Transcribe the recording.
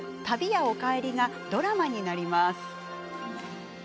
「旅屋おかえり」がドラマになります。